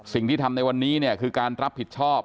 สิ่งที่ทำในวันนี้เนี่ยคือการรับผิดชอบ